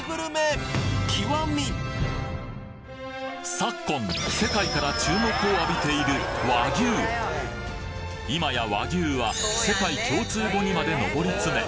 昨今世界から注目を浴びている今や和牛は世界共通語にまでのぼりつめ